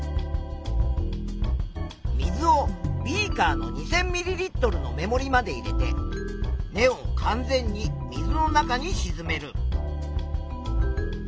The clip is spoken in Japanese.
水をビーカーの２，０００ミリリットルの目もりまで入れて根を完全に水の中にしずめる。